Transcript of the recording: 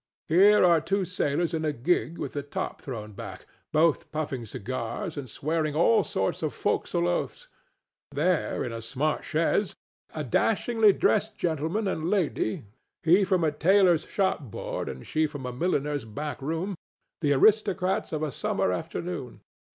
Here are two sailors in a gig with the top thrown back, both puffing cigars and swearing all sorts of forecastle oaths; there, in a smart chaise, a dashingly dressed gentleman and lady, he from a tailor's shop board and she from a milliner's back room—the aristocrats of a summer afternoon.